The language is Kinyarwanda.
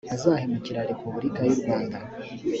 ntazahemukira repubulika y urwanda